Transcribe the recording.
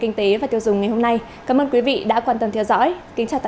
những cây này trong nhà